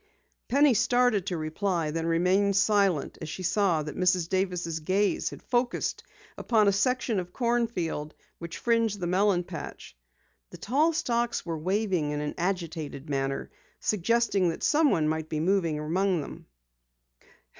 Penny started to reply, then remained silent as she saw that Mrs. Davis' gaze had focused upon a section of cornfield which fringed the melon patch. The tall stalks were waving in an agitated manner, suggesting that someone might be moving among them.